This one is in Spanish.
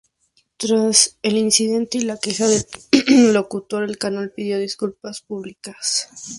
Tras el incidente y la queja del locutor, el canal pidió disculpas públicas.